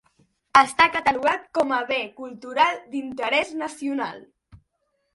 Està catalogat com a Bé Cultural d'Interès Nacional.